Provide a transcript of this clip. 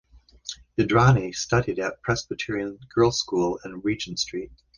Indrani studied at Presbyterian Girls School in Regent Street.